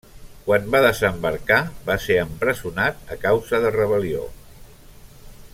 Quan va desembarcar va ser empresonat a causa de rebel·lió.